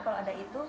kalau ada itu